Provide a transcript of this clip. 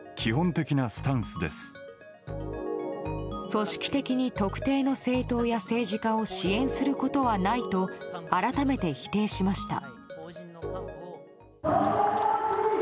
組織的に特定の政党や政治家を支援することはないと改めて否定しました。